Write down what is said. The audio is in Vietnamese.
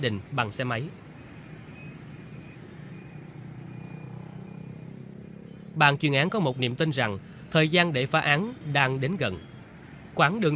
đình bằng xe máy bạn chuyên án có một niệm tin rằng thời gian để phá án đang đến gần quảng đường